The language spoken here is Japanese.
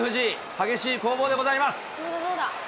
激しい攻防でございます。